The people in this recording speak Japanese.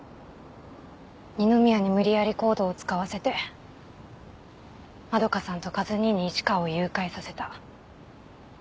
二宮に無理やりＣＯＤＥを使わせて円さんとカズ兄に市川を誘拐させた。